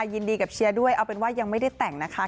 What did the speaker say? ยินดีกับเชียร์ด้วยเอาเป็นว่ายังไม่ได้แต่งนะคะ